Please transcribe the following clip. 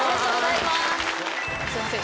すいません。